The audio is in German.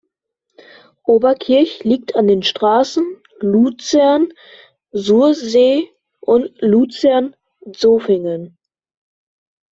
Oberkirch liegt an den Strassen Luzern–Sursee und Luzern–Zofingen.